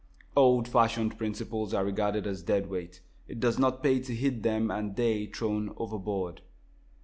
Old fashioned principles are regarded as dead weight. It does not pay to heed them, and they thrown overboard.